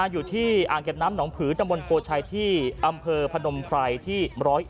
อยู่ที่อ่างเก็บน้ำหนองผือตำบลโพชัยที่อำเภอพนมไพรที่๑๐๑